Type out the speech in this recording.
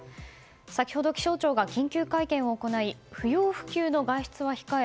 先ほど、気象庁が緊急会見を行い不要不急の外出は控え